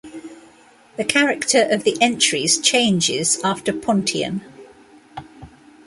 The character of the entries changes after Pontian.